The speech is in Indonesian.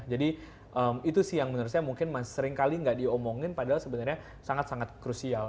jadi itu sih yang menurut saya mungkin masih seringkali nggak diomongin padahal sebenarnya sangat sangat krusial